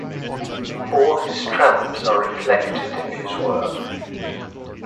All his travels are reflected in his work.